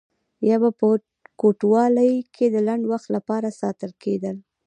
یا به په کوټوالۍ کې د لنډ وخت لپاره ساتل کېدل.